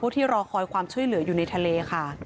ที่รอคอยความช่วยเหลืออยู่ในทะเลค่ะ